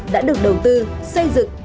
đã được đầu tư xây dựng